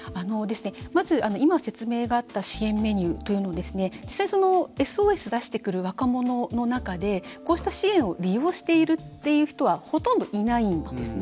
まず、今説明があった支援メニューというのは実際にＳＯＳを出してくる若者の中でこうした支援を利用しているという人はほとんどいないんですね。